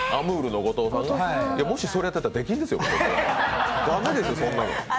もしそれやったら、出禁ですよ。